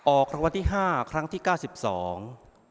ออกคำวัติห้าครั้งที่เก้าสิบสอง